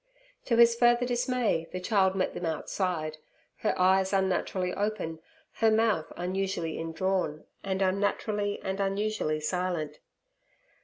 To his further dismay, the child met them outside, her eyes unnaturally open, her mouth unusually indrawn, and unnaturally and unusually silent.